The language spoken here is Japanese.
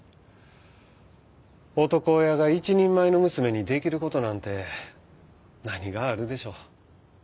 男親が一人前の娘にできる事なんて何があるでしょう。